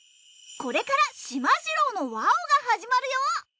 これから『しまじろうのわお！』が始まるよ。